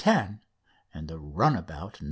10," and the runabout "No.